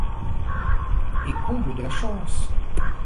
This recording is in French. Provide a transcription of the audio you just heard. Et comble de la chance.